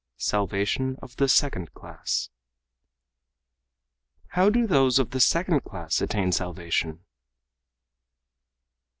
Salvation of the Second Class_ "How do those of the second class attain salvation?"